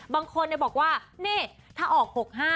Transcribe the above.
บางคนบอกว่านี่ถ้าออก๖๕